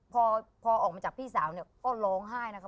พอออกมาจากพี่สาวเนี่ยก็ร้องไห้นะคะ